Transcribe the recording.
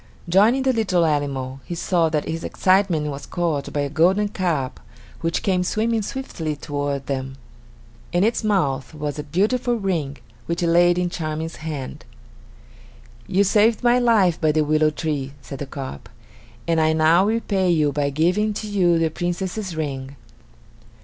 Joining the little animal, he saw that his excitement was caused by a golden carp which came swimming swiftly toward them. In its mouth was a beautiful ring which it laid in Charming's hand. "You saved my life by the willow tree," said the carp, "and I now repay you by giving to you the Princess's ring."